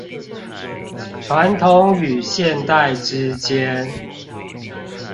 傳統與現代之間